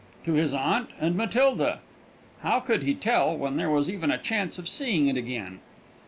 To his aunt and Matilda. How could he tell, when there was even a chance of seeing it again?